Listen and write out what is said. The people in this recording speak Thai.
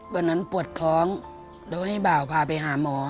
วันนั้นปวดท้องแล้วให้บ่าวพาไปหาหมอ